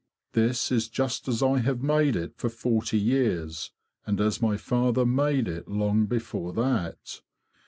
This is just as I have made it for forty years, and as my father made it long before that.